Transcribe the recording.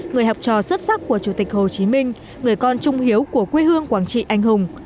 người học trò xuất sắc của chủ tịch hồ chí minh người con trung hiếu của quê hương quảng trị anh hùng